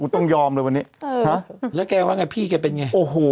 ต้องยอมเลยวันนี้แล้วแกว่าไงพี่แกเป็นไงโอ้โห